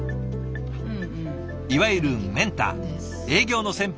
いわゆるメンター営業の先輩